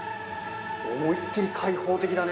思いっ切り開放的だね。